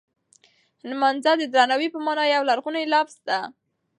نمځنه د درناوی په مانا یو لرغونی لفظ دی.